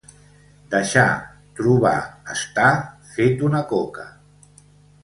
Deixar, trobar, estar, fet una coca.